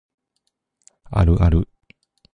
あるある